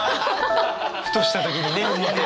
ふとした時にね見て。